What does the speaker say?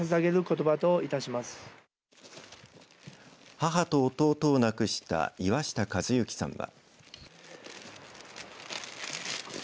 母と弟を亡くした岩下一行さんは。